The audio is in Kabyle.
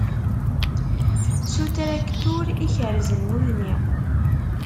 S utraktur i kerrzen nutni.